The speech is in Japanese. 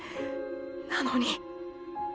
なのに。